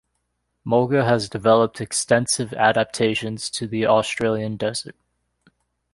Mulga has developed extensive adaptations to the Australian desert.